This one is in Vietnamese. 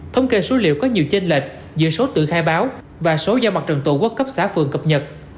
thông kê số liệu có nhiều chênh lệch giữa số tự khai báo và số giao mặt trần tổ quốc cấp xã phường cập nhật